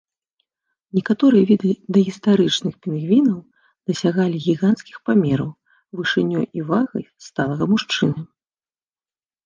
Некаторыя віды дагістарычных пінгвінаў дасягалі гіганцкіх памераў, вышынёй і вагай сталага мужчыны.